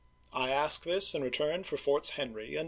I ask this in return for Forts Henry and i).'